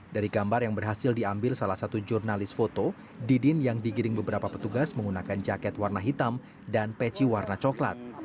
dari gambar yang berhasil diambil salah satu jurnalis foto didin yang digiring beberapa petugas menggunakan jaket warna hitam dan peci warna coklat